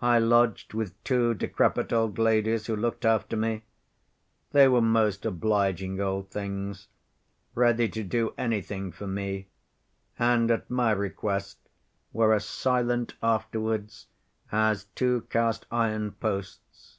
I lodged with two decrepit old ladies, who looked after me. They were most obliging old things, ready to do anything for me, and at my request were as silent afterwards as two cast‐iron posts.